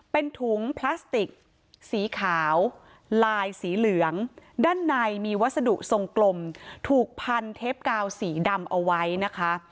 เป็นถุงพลาสติกสีขาวลายสีเหลืองด้านในมีวัสดุทรงกลมถูกพันเทปกาวสีดำเอาไว้นะคะ